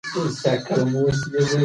طبیعي مېوې تر مصنوعي جوسونو غوره دي.